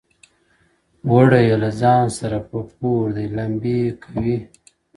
وړی يې له ځان سره په پور دی لمبې کوي!